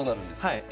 はい。